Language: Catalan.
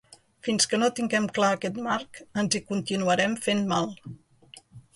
Fins que no tinguem clar aquest marc ens hi continuarem fent mal.